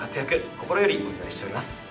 心よりお祈りしております。